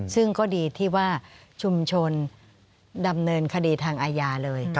ซึ่งก็ดีที่ว่าชุมชนดำเนินคดีทางอาญาเลย